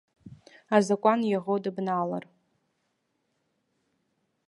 Азакәан иаӷоу дыбналар.